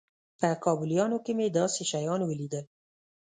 په کابليانو کښې مې داسې شيان وليدل.